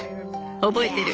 覚えてる。